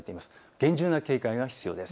厳重な警戒が必要です。